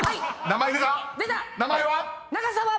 名前は？］